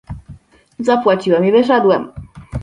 "Zapłaciłem i wyszedłem."